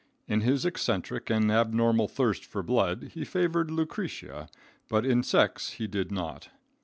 In his eccentric and abnormal thirst for blood he favored Lucretia, but in sex he did not.